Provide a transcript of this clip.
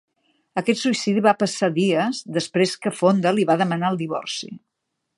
Aquest suïcidi va passar dies després que Fonda li va demanar el divorci.